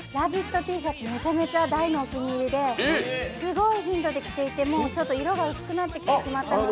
Ｔシャツめちゃめちゃ大のお気に入りですごい頻度で着ていて、もうちょっと色が薄くなってきしまったので。